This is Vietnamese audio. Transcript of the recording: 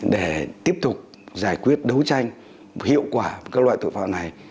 để tiếp tục giải quyết đấu tranh hiệu quả với các loại tội phạm này